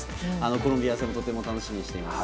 コロンビア戦もとても楽しみにしています。